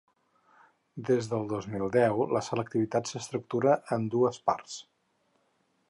Des del dos mil deu, la selectivitat s’estructura en dues parts.